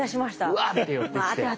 うわって寄ってきて。